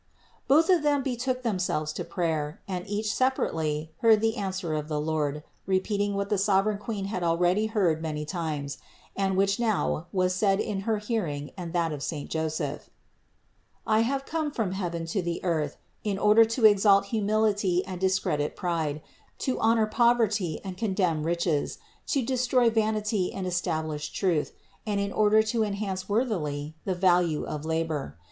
Both of them betook themselves to prayer, and each separately heard the answer of the Lord, repeating what the sovereign Queen had already heard many times, and, which now was said in her hearing and that of saint Joseph : "I have come from heaven to the earth in order to exalt humility and discredit pride, to honor poverty and contemn riches, to destroy vanity and estab lish truth, and in order to enhance worthily the value of labor.